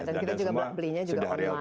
dan kita juga belinya juga online